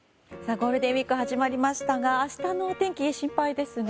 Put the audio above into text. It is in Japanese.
ゴールデンウィーク始まりましたが明日のお天気、心配ですね。